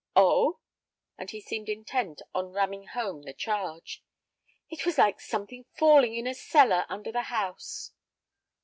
"Oh!" And he seemed intent on ramming home the charge. "It was like something falling in a cellar under the house."